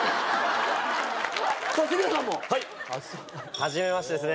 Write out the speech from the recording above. はじめましてですね